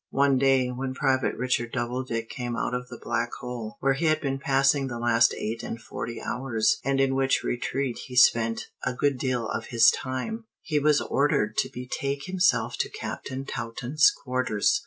One day, when Private Richard Doubledick came out of the Black hole, where he had been passing the last eight and forty hours, and in which retreat he spent a good deal of his time, he was ordered to betake himself to Captain Taunton's quarters.